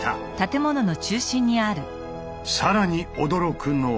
更に驚くのは。